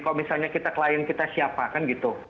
kalau misalnya kita klien kita siapa kan gitu